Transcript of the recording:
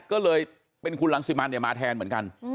ก็เลยเป็นคุณรังสิมันมาแทนเหมือนกัน